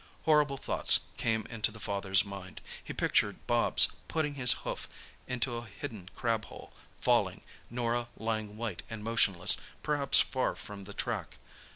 Horrible thoughts came into the father's mind. He pictured Bobs putting his hoof into a hidden crab hole—falling—Norah lying white and motionless, perhaps far from the track.